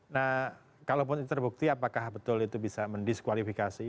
nah kalau pun terbukti apakah betul itu bisa mendiskualifikasi